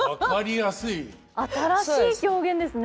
新しい狂言ですね。